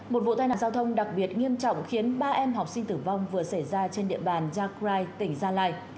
một vụ tai nạn giao thông đặc biệt nghiêm trọng khiến ba em học sinh tử vong vừa xảy ra trên địa bàn gia crai tỉnh gia lai